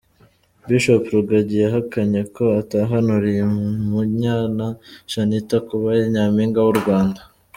Bishop Rugagi yahakanye ko atahanuriye Umunyana Shanitah kuba Nyampinga w’u Rwanda.